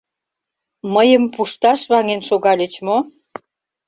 — Мыйым пушташ ваҥен шогальыч мо?